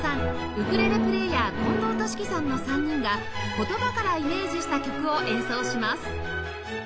ウクレレプレイヤー近藤利樹さんの３人が言葉からイメージした曲を演奏します